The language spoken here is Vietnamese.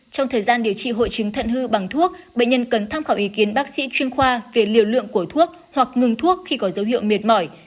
trong thời gian điều trị hội chứng thận hư bằng thuốc bệnh nhân cần tham khảo ý kiến bác sĩ chuyên khoa về liều lượng của thuốc hoặc ngừng thuốc khi có dấu hiệu mệt mỏi